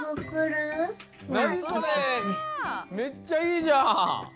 なにそれめっちゃいいじゃん！